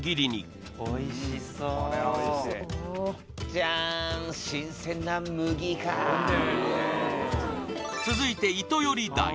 ジャーン続いてイトヨリダイ